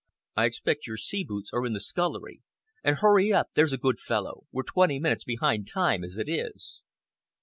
I expect your sea boots are in the scullery. And hurry up, there's a good fellow. We're twenty minutes behind time, as it is."